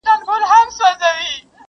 نوي نوي تختې غواړي قاسم یاره